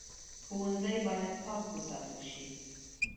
ښوونځی باید پاک وساتل شي